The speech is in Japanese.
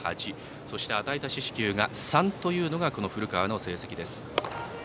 与えた四死球が３というのが古川の成績です。